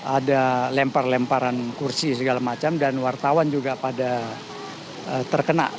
ada lempar lemparan kursi segala macam dan wartawan juga pada terkena